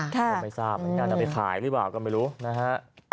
ผมไม่ทราบน่าจะไปขายหรือเปล่าก็ไม่รู้นะครับ